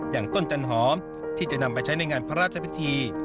อย่างต้นจันหอมที่จะนำไปใช้ในงานพระราชพิธี